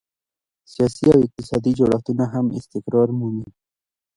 سیاسي او اقتصادي جوړښتونه هم استقرار مومي.